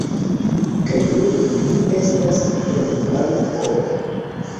Kaj nun ni estas en Bangkok!